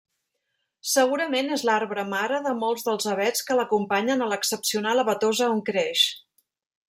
Segurament és l'arbre mare de molts dels avets que l'acompanyen a l'excepcional avetosa on creix.